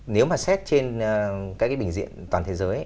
nếu mà xét trên các cái bệnh viện toàn thế giới